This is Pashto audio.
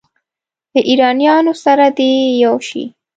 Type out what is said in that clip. له ایرانیانو سره دې یو شي.